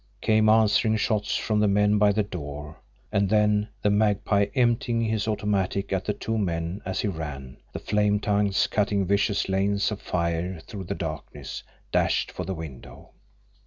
Came answering shots from the men by the door; and then the Magpie, emptying his automatic at the two men as he ran, the flame tongues cutting vicious lanes of fire through the darkness, dashed for the window.